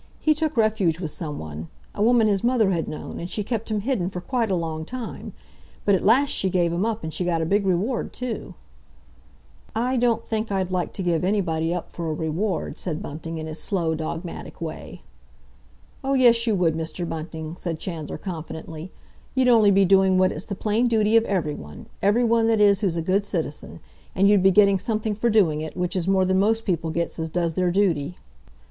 He took refuge with someone—a woman his mother had known, and she kept him hidden for quite a long time. But at last she gave him up, and she got a big reward, too!" "I don't think I'd like to give anybody up for a reward," said Bunting, in his slow, dogmatic way. "Oh, yes, you would, Mr. Bunting," said Chandler confidently. "You'd only be doing what it's the plain duty of everyone—everyone, that is, who's a good citizen. And you'd be getting something for doing it, which is more than most people gets as does their duty."